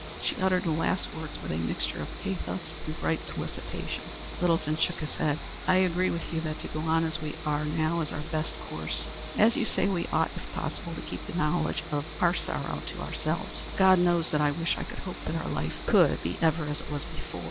She uttered the last words with a mixture of pathos and bright solicitation. Littleton shook his head. "I agree with you that to go on as we are is our best course. As you say, we ought, if possible, to keep the knowledge of our sorrow to ourselves. God knows that I wish I could hope that our life could ever be as it was before.